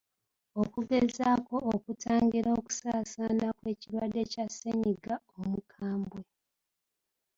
okugezaako okutangira okusaasaana kw’ekirwadde kya ssennyiga omukambwe.